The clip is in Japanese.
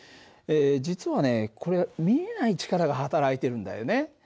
実はねこれ見えない力が働いてるんだよね。